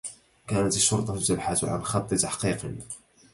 كانت الشّرطة تبحث عن خطّ تحقيق.